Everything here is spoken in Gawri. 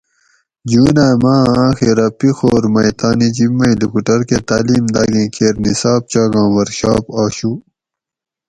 جون آں ماۤ آں آخیرہ پیخور مئ تانی جب مئ لوکوٹور کہ تعلیم داگیں کیرنصاب چاگاں ورکشاپ آشو